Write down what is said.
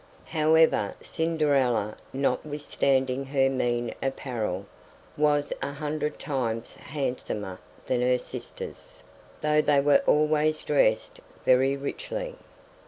However, Cinderella, notwithstanding her mean apparel, was a hundred times handsomer than her sisters, though they were always dressed very richly.